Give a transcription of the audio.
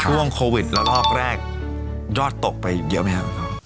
ช่วงโควิดแล้วรอบแรกรอดตกไปเยอะไหมฮะ